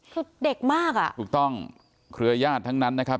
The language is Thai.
คือเด็กมากอ่ะถูกต้องเครือญาติทั้งนั้นนะครับ